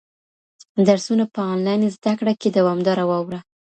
درسونه په انلاين زده کړه کي دوامداره واوره.